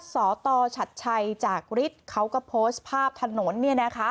สศตรชัดชัยจากฤทธิ์เขาก็โพสต์ภาพถนนเนี่ยนะคะ